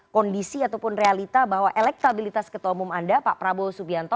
kondisi ataupun realita bahwa elektabilitas ketua umum anda pak prabowo subianto